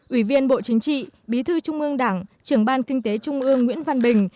ủy viên bộ chính trị bí thư trung ương đảng trưởng ban kinh tế trung ương nguyễn văn bình